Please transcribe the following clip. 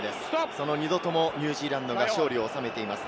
その２度ともニュージーランドが勝利を収めています。